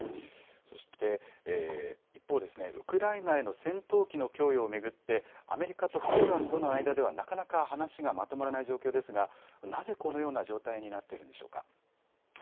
そして一方、ウクライナへの戦闘機の供与を巡ってアメリカとポーランドの間ではなかなか話がまとまらない状況ですが、なぜこのような状態になっているんでしょうか。